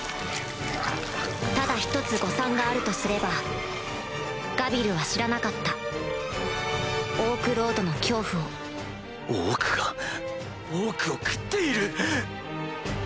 ただ１つ誤算があるとすればガビルは知らなかったオークロードの恐怖をオークがオークを食っている！